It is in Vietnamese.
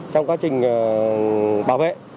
trong quá trình bảo vệ